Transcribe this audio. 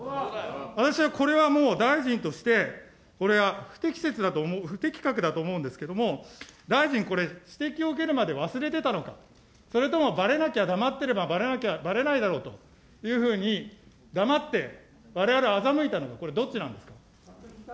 私はこれはもう、大臣としてこれは不適切、不適格だと思うんですけれども、大臣、これ指摘を受けるまで忘れてたのか、それともばれなきゃ、黙っていれば、ばれないだろうというふうに、黙ってわれわれをあざむいたのか、これ、どっちなんですか。